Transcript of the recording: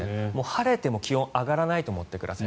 晴れても気温が上がらないと思ってください。